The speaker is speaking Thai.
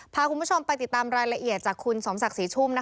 พาคุณผู้ชมไปติดตามรายละเอียดจากคุณสมศักดิ์ศรีชุ่ม